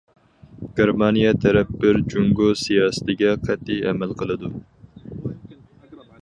گېرمانىيە تەرەپ بىر جۇڭگو سىياسىتىگە قەتئىي ئەمەل قىلىدۇ.